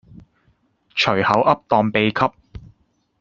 隨口噏當秘笈